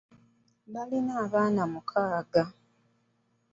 Baalina abaana mukaaga